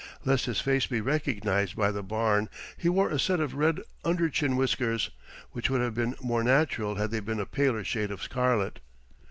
Lest his face be recognized by the barn he wore a set of red under chin whiskers, which would have been more natural had they been a paler shade of scarlet.